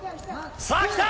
さあ、きた。